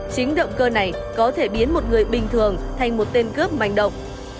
chính động cơ này có thể biến một người bình thường thành một tên cướp manh động